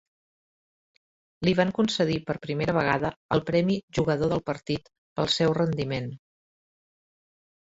Li van concedir per primera vegada el premi "jugador del partit" pel seu rendiment.